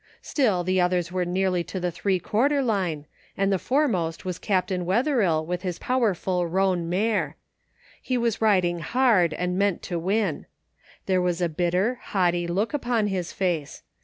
Still, the others were nearly to the three quarter line, and the foremost was Captain Wetherill with his powerful roan mare. He was rid ing hard and meant to win. There was a bitter, haughty look upon his face.